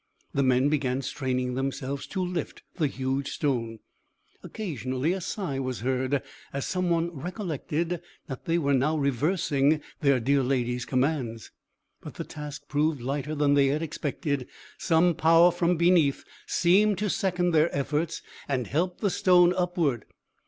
The men began straining themselves to lift the huge stone; occasionally a sigh was heard, as someone recollected that they were now reversing their dear lady's commands. But the task proved lighter than they had expected. Some power from beneath seemed to second their efforts, and help the stone upward.